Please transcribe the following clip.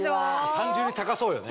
単純に高そうよね。